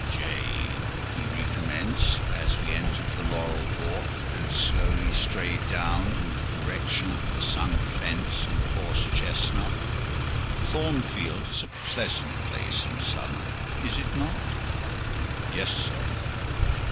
"Jane," he recommenced, as we entered the laurel walk, and slowly strayed down in the direction of the sunk fence and the horse chestnut, "Thornfield is a pleasant place in summer, is it not?" "Yes, sir."